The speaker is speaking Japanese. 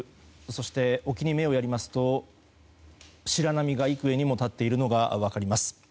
そして、沖に目をやりますと白波が幾重にも立っているのが分かります。